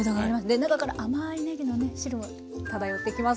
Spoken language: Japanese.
中から甘いねぎのね汁も漂ってきます。